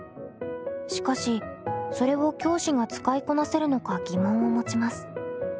しかしそれを教師が使いこなせるのか疑問を持ちます。